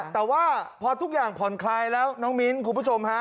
แต่ว่าพอทุกอย่างผ่อนคลายแล้วน้องมิ้นคุณผู้ชมฮะ